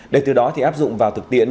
để từ đó thì áp dụng vào thực tiễn